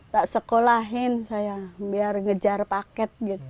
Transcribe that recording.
tak sekolahin saya biar kejar paket gitu